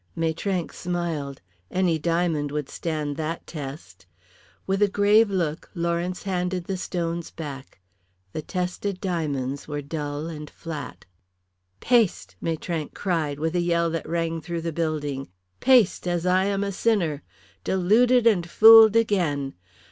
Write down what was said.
Maitrank smiled. Any diamond would stand that test. With a grave look, Lawrence handed the stones back the tested diamonds were dull and flat. "Paste!" Maitrank cried, with a yell that rang through the building. "Paste, as I am a sinner. Deluded and fooled again.